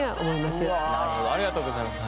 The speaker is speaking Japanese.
なるほどありがとうございます。